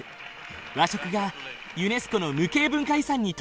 和食がユネスコの無形文化遺産に登録された。